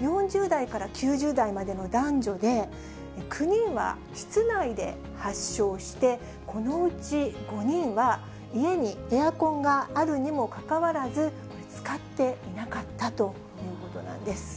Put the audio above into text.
４０代から９０代までの男女で、９人は室内で発症して、このうち５人は、家にエアコンがあるにもかかわらず、使っていなかったということなんです。